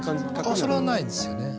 ああそれはないですよね。